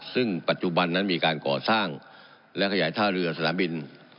ซึ่งปัจจุบันนั้นมีการก่อสร้างและขยายท่าเรือสนามบิน